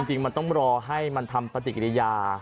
จริงมันต้องรอให้มันทำปฏิกิริยา